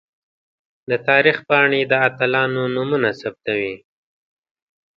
د تاریخ پاڼې د اتلانو نومونه ثبتوي.